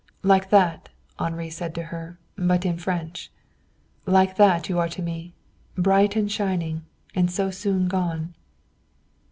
"Like that!" Henri said to her, but in French. "Like that you are to me. Bright and shining and so soon gone."